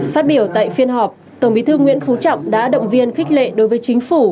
phát biểu tại phiên họp tổng bí thư nguyễn phú trọng đã động viên khích lệ đối với chính phủ